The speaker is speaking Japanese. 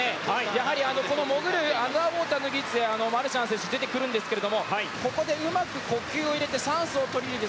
やはり潜るアンダーウォーターの技術で、マルシャン選手が出てくるんですがここでうまく呼吸を入れて酸素を取り入れる。